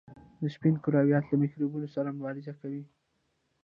دا سپین کرویات له میکروبونو سره مبارزه کوي.